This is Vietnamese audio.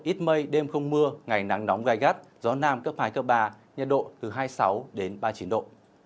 ít mây đêm không mưa ngày nắng nóng gai gắt gió nam cấp hai cấp ba nhiệt độ từ hai mươi sáu đến ba mươi chín độ